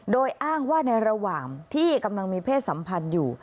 โดยอ้างว่าในระหว่างที่กำลังมีเพศสัมพันธ์อยู่